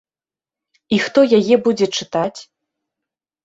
І хто яе будзе чытаць?